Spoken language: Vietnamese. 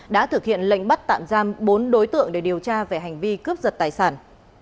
đã thực hiện lệnh bắt tạm giam bốn đối tượng để điều tra về hành vi cướp giật tài sản